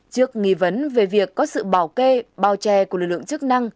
trước nghi vấn về việc có sự bảo kê bảo trè của lực lượng chức năng